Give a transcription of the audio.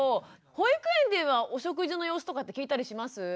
保育園ではお食事の様子とかって聞いたりします？